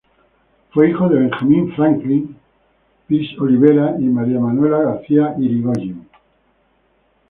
Fue hijo de Benjamín Franklin Pease Olivera y María Manuela García Yrigoyen.